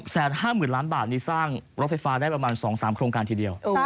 แสนห้าหมื่นล้านบาทนี่สร้างรถไฟฟ้าได้ประมาณ๒๓โครงการทีเดียว